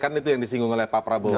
kan itu yang disinggung oleh pak prabowo